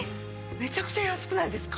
めちゃくちゃ安くないですか？